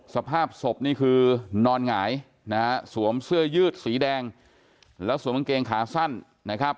สภาพศพนี่คือนอนหงายนะฮะสวมเสื้อยืดสีแดงแล้วสวมกางเกงขาสั้นนะครับ